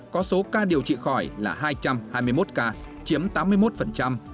có số ca điều trị khỏi là hai trăm hai mươi một ca chiếm tám mươi một